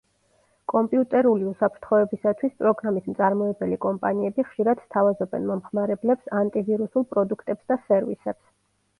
კომპიუტერული უსაფრთხოებისათვის პროგრამის მწარმოებელი კომპანიები ხშირად სთავაზობენ მომხმარებლებს ანტივირუსულ პროდუქტებს და სერვისებს.